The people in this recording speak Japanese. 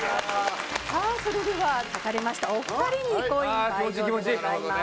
さあそれでは勝たれましたお二人にコイン倍増でございます。